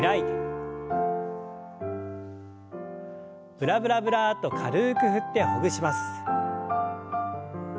ブラブラブラッと軽く振ってほぐします。